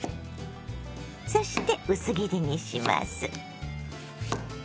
そして薄切りにします。